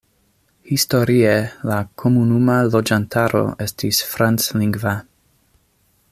Historie la komunuma loĝantaro estis franclingva.